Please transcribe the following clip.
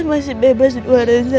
mama ngakuinnya tentu ngelindungin elsa